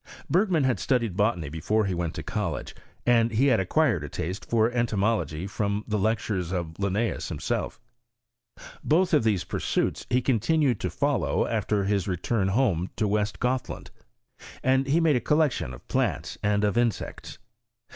Bergman had studied botany before he went to college, and he had acquired a taste for entomology from the lectures of Linnteus himself. Both of these pursuits he continued to follow after his return home to West Gothland; and he made a collection of plants and 4f insects.